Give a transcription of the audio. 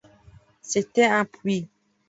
C’était un puits.